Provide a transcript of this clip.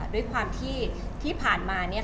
โดยความที่ผ่านมาเนี่ย